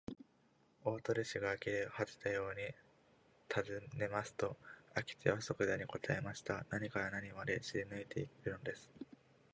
大鳥氏があきれはてたようにたずねますと、明智はそくざに答えました。何から何まで知りぬいているのです。